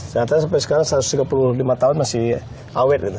ternyata sampai sekarang satu ratus tiga puluh lima tahun masih awet gitu